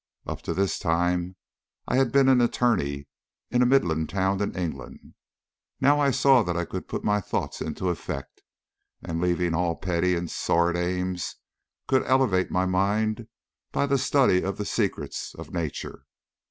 Up to this time I had been an attorney in a midland town in England. Now I saw that I could put my thoughts into effect, and, leaving all petty and sordid aims, could elevate my mind by the study of the secrets of nature.